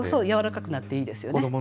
やわらかくなっていいですよね。